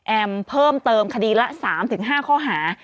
เพิ่มเติมคดีละ๓๕ข้อหา